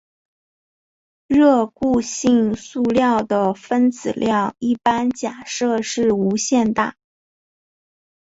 热固性塑料的分子量一般假设是无限大。